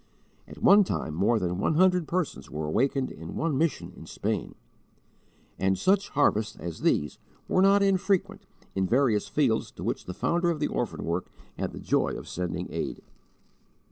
At one time more than one hundred persons were awakened in one mission in Spain; and such harvests as these were not infrequent in various fields to which the founder of the orphan work had the joy of sending aid.